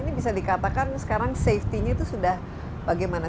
tapi katakan sekarang safety nya itu sudah bagaimana